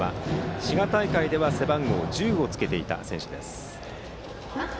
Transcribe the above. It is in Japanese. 滋賀大会では背番号１０をつけていた選手です。